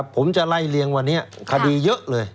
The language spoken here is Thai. ผมจะไล่เลี้ยงวันนี้คดีเยอะเลย